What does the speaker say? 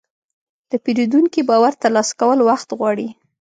د پیرودونکي باور ترلاسه کول وخت غواړي.